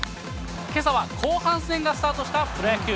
けさは後半戦がスタートしたプロ野球。